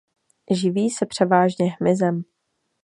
Živí se převážně hmyzem.